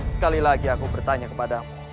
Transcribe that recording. sekali lagi aku bertanya kepadamu